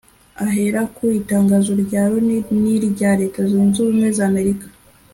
Ahera ku itangazo rya Loni n’irya Leta Zunze Ubumwe za Amerika